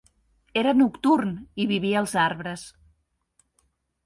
Era nocturn i vivia als arbres.